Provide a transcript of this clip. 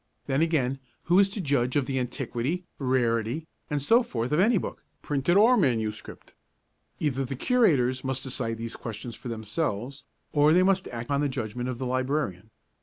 Then, again, who is to judge of the antiquity, rarity, and so forth of any book, printed or manuscript? Either the Curators must decide these questions for themselves, or they must act on the judgment of the Librarian.